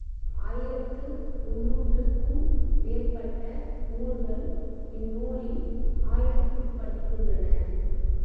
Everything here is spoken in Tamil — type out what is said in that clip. ஆயிரத்து முந்நூற்றுக்கும் மேற்பட்ட ஊர்கள் இந்நூலில் ஆய்விற்குட்பட்டுள்ளன.